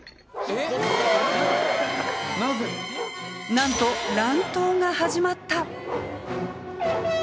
なんと乱闘が始まった